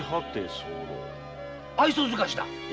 愛想づかしだ！